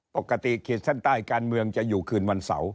ปกติเขตแสนใต้การเมืองจะอยู่คืนวันเสาร์